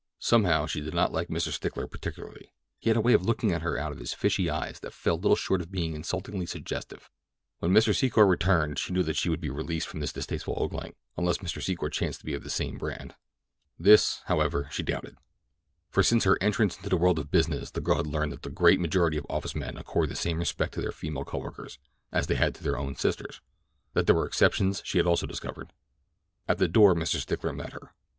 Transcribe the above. Somehow she did not like Mr. Stickler particularly. He had a way of looking at her out of his fishy eyes that fell little short of being insultingly suggestive. When Mr. Secor returned she knew that she would be released from this distasteful ogling—unless Mr. Secor chanced to be of the same brand. This, however, she doubted; for since her entrance into the world of business the girl had learned that the great majority of office men accord the same respect to their female coworkers—as they do to their own sisters. That there were exceptions she had also discovered. At the door Mr. Stickler met her.